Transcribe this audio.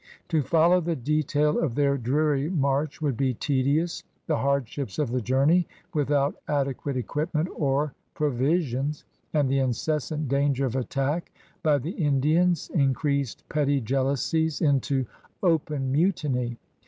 To follow the detail of their dreary march would be tedious. The hardships of the journey, without adequate equipment or provisions, and the incessant danger of attack by the Lidians increased petty jealousies into open mutiny.